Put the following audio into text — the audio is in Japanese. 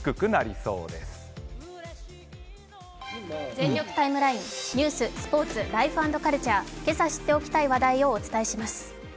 「全力ＴＩＭＥライン」ニュース、スポーツ、ライフ＆カルチャー、今朝知っておきたい話題をお伝えします。